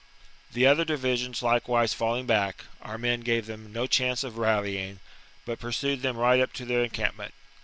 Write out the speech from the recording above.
The other divisions like wise falling back, our men gave them no chance of rallying, but pursued them right up to their encampment.